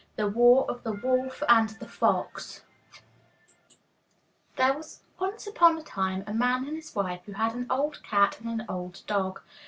THE WAR OF THE WOLF AND THE FOX There was once upon a time a man and his wife who had an old cat and an old dog.